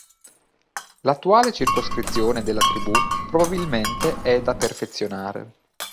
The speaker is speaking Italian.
L'attuale circoscrizione della tribù probabilmente è da perfezionare.